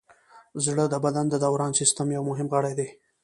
زړه د بدن د دوران سیستم یو مهم غړی دی.